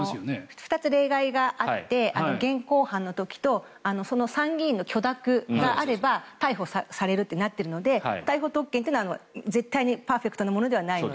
２つ例外があって現行犯の時と参議院の許諾があれば逮捕されるとなっているので不逮捕特権というのは絶対にパーフェクトなものではないので。